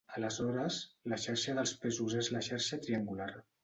Aleshores, la xarxa dels pesos és la xarxa triangular.